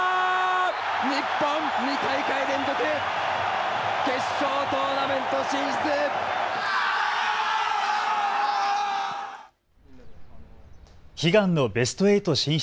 日本、２大会連続決勝トーナメント進出。